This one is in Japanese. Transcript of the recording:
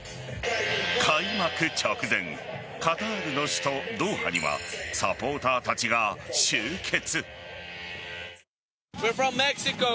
開幕直前カタールの首都・ドーハにはサポーターたちが集結。